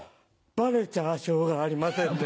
バレちゃしょうがありませんね。